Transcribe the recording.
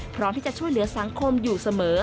พร้อมที่จะช่วยเหลือสังคมอยู่เสมอ